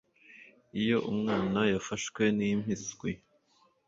iyo umwana yafashwe n'impiswi